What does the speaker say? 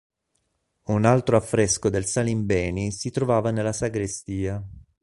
Un altro affresco del Salimbeni si trovava nella sagrestia.